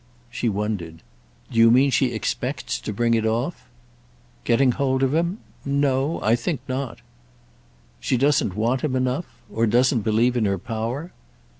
She wondered. "Do you mean she expects to bring it off?" "Getting hold of him? No—I think not." "She doesn't want him enough?—or doesn't believe in her power?"